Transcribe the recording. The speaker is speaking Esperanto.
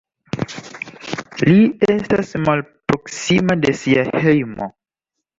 Li estas malproksima de sia hejmo.